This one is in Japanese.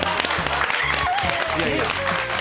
いやいや。